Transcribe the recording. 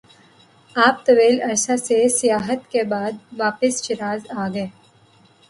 آپ طویل عرصہ سے سیاحت کے بعدواپس شیراز آگئے-